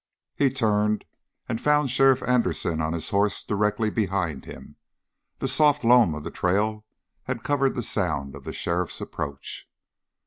He turned and found Sheriff Anderson on his horse directly behind him. The soft loam of the trail had covered the sound of the sheriffs approach.